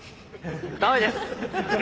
ダメです！